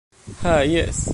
Ha jes...